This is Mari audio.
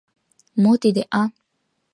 — Мо тиде, а?